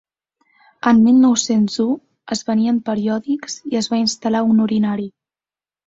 En mil nou-cents u es venien periòdics i es va instal·lar un urinari.